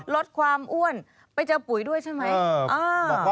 ลดความอ้วนไปเจอปุ๋ยด้วยใช่ไหม